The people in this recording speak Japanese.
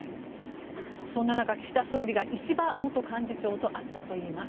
そんな中、岸田総理が石破元幹事長と会ったといいます。